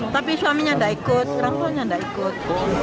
tapi suaminya gak ikut perangkulnya gak ikut